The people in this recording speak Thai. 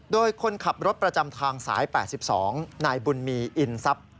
โดยคนขับรถประจำทางสาย๘๒นายบุญมีอินทรัพย์